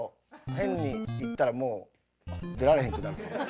変に行ったらもう出られへんくなるぞ。